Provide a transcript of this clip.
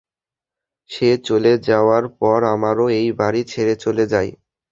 সে চলে যাওয়ার পর আমরাও এই বাড়ি ছেড়ে চলে যাই।